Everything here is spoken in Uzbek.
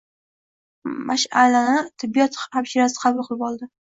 Mash’alani tibbiyot hamshirasi qabul qilib oldi.